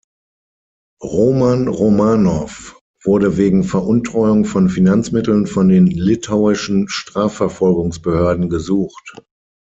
Roman Romanow wurde wegen Veruntreuung von Finanzmitteln von den litauischen Strafverfolgungsbehörden gesucht.